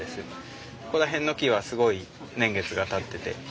ここら辺の木はすごい年月がたってて。